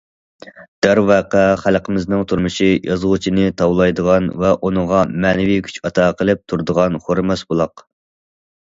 دەرۋەقە، خەلقىمىزنىڭ تۇرمۇشى يازغۇچىنى تاۋلايدىغان ۋە ئۇنىڭغا مەنىۋى كۈچ ئاتا قىلىپ تۇرىدىغان خورىماس بۇلاق.